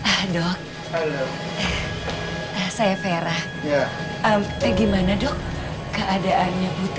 ena pj sudah semak dahulu